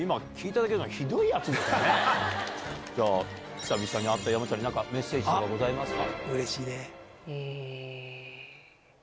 久々に会った山ちゃんにメッセージとかございますか。